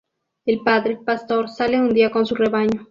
El padre, pastor, sale un día con su rebaño.